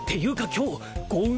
今日豪運